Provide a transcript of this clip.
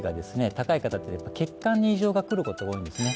高い方って血管に異常がくることが多いんですね